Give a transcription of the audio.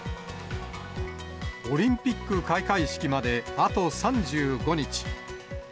オリンピック開会式まであと３５日。